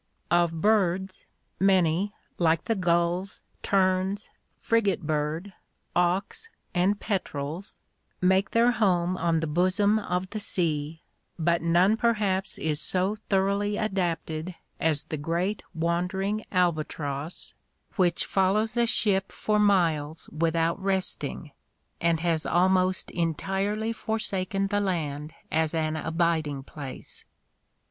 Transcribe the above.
Of birds, many, like the gulls, terns, frigate bird, auks, and petrels, make their home on the bosom of the sea, but none per haps is so thoroughly adapted as the great wandering albatross BATHYMETRIC DISTRIBUTION 77 which follows a ship for miles without resting, and has almost en tirely forsaken the land as an abiding place.